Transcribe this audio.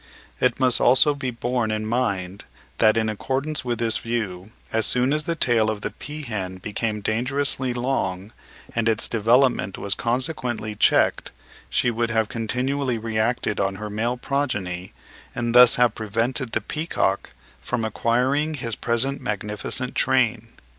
It must also be borne in mind that, in accordance with this view, as soon as the tail of the peahen became dangerously long, and its development was consequently checked, she would have continually reacted on her male progeny, and thus have prevented the peacock from acquiring his present magnificent train.